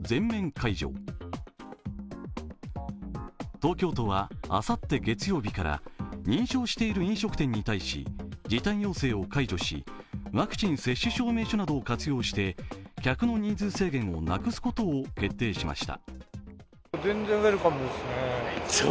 東京都はあさって月曜日から認証している飲食店に対し時短要請を解除し、ワクチン接種証明書などを活用して客の人数制限をなくすことを決定しました。